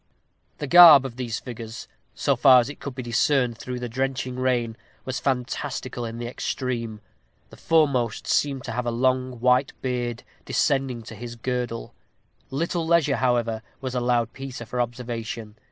The garb of these figures, so far as it could be discerned through the drenching rain, was fantastical in the extreme. The foremost seemed to have a long white beard descending to his girdle. Little leisure, however, was allowed Peter for observation.